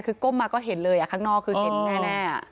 คือก้มมาก็เห็นเลยข้างนอกคือเห็นแน่